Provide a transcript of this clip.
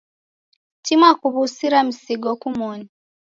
Tima kuw'usira msigo kumoni.